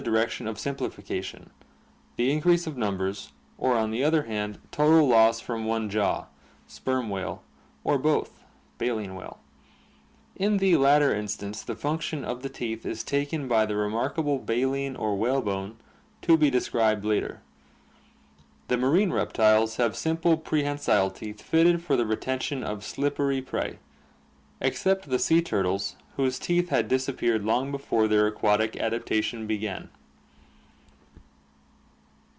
direction of simplification, the increase of numbers, or on the other hand total loss from one jaw (sperm whale) or both (baleen whale). In the latter instance the function of the teeth is taken by the remarkable baleen or whalebone to be described later. The marine reptiles have simple prehensile teeth fitted for the retention of slippery prey, except the sea turtles whose teeth had disappeared long before their aquatic adaptation began.